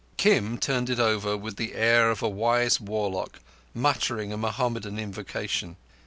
Kim turned it over with the air of a wise warlock, muttering a Mohammedan invocation.